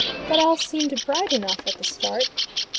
But all seemed bright enough at the start.